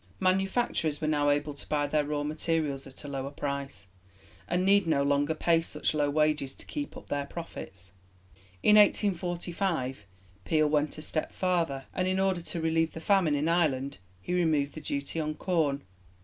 Manufacturers were now able to buy their raw materials at a lower price, and need no longer pay such low wages to keep up their profits. In 1845 Peel went a step farther, and in order to relieve the famine in Ireland, he removed the duty on corn.